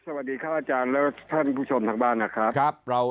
สวัสดีครับอาจารย์และท่านผู้ชมทางบ้านนะครับ